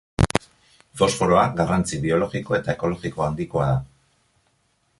Fosforoa garrantzi biologiko eta ekologiko handikoa da.